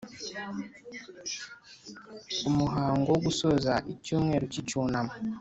Umuhango wo gusoza icyumweru cy Icyunamo